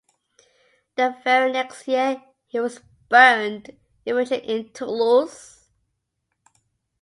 The very next year he was burnt in effigy in Toulouse.